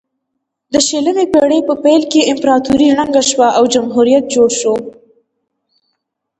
د شلمې پیړۍ په پیل کې امپراتوري ړنګه شوه او جمهوریت جوړ شو.